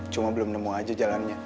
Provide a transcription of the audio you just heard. cuma belum nemu aja jalannya